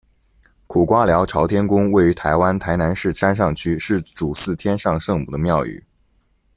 苦瓜寮朝天宫位于台湾台南市山上区，是主祀天上圣母的庙宇。